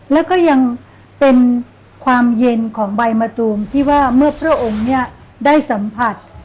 แล้วก็ยังเป็นความเย็นของใบมะตูมที่ว่าเมื่อพระองค์เนี่ยได้สัมผัส